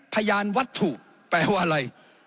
พยานวัตถุแปลว่าอะไร